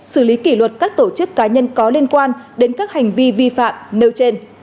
xử lý kỷ luật các tổ chức cá nhân có liên quan đến các hành vi vi phạm nêu trên